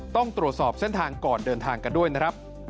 ต้องตรวจสอบเส้นทางก่อนเดินทางกันด้วยนะครับ